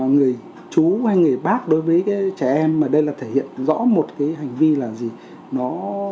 người chú hay người bác đối với cái trẻ em mà đây là thể hiện rõ một cái hành vi là gì nó